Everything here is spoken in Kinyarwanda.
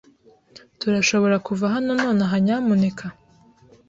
Turashobora kuva hano nonaha, nyamuneka?